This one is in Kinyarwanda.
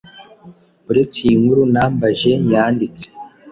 Uretse iyi nkuru Nambaje yanditse,